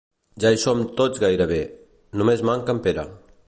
Ja hi som tots gairebé: només manca en Pere.